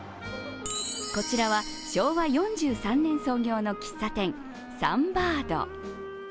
こちらは、昭和４３年創業の喫茶店サンバード。